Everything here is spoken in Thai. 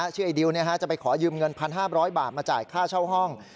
ไอ้ดิวจะไปขอยืมเงิน๑๕๐๐บาทมาจ่ายค่าเช่าห้อง